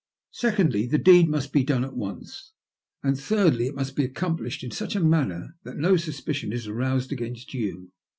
Secondly, the deed mast be done at once; and, thirdly, it most be accomplished in such a manner that no suspicion is aroused against you.